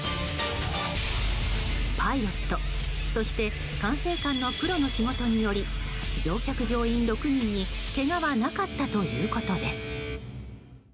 パイロット、そして管制官のプロの仕事により乗員・乗客６人にけがはなかったということです。